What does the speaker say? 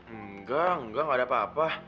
enggak enggak ada apa apa